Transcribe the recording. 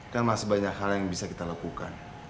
kan masih banyak hal yang bisa kita lakukan